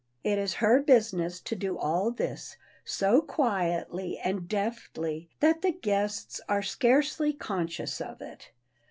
It is her business to do all this so quietly and deftly that the guests are scarcely conscious of it.